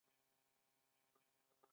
نشتون خو یې لا بله خبره ده.